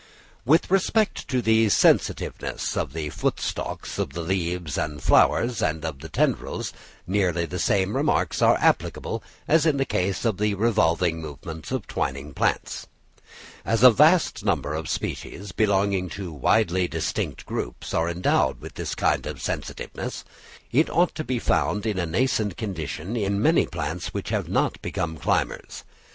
With respect to the sensitiveness of the foot stalks of the leaves and flowers, and of tendrils, nearly the same remarks are applicable as in the case of the revolving movements of twining plants. As a vast number of species, belonging to widely distinct groups, are endowed with this kind of sensitiveness, it ought to be found in a nascent condition in many plants which have not become climbers.